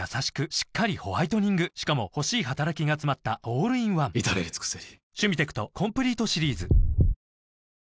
しっかりホワイトニングしかも欲しい働きがつまったオールインワン至れり尽せり